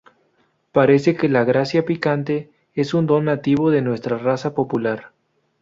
Parece que la gracia picante es un don nativo de nuestra raza popular".